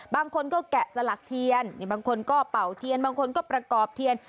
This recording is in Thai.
บางคนก็แกะสลักเทียนบางคนก็เป่าเทียนบางคนก็ประกอบเทียน